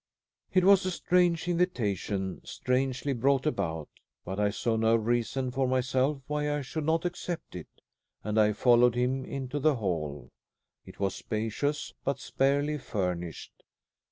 It was a strange invitation, strangely brought about. But I saw no reason for myself why I should not accept it, and I followed him into the hall. It was spacious, but sparely furnished.